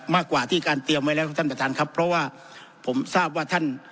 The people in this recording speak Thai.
มากกว่าที่การเตรียมไว้แล้วครับท่านประธานครับเพราะว่าผมทราบว่าท่าน